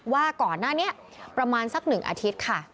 ว่าก่อนหน้านี้ประมาณสัก๑อาทิตย์ค่ะ